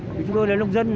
vì chúng tôi là lông dân